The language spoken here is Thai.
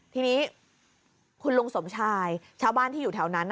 ทีนี้คุณลุงสมชายชาวบ้านที่อยู่แถวนั้น